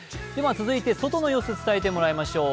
続いて外の様子、伝えてもらいましょう。